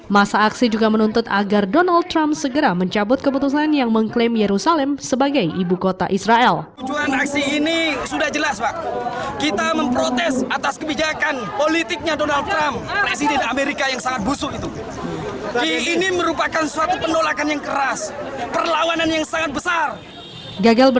masa aksi juga menuntut agar donald trump segera mencabut keputusan yang mengklaim yerusalem sebagai ibu kota israel